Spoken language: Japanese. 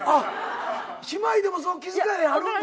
姉妹でも気遣いあるんだ。